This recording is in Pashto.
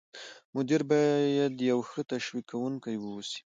مدیر باید یو ښه تشویق کوونکی واوسي.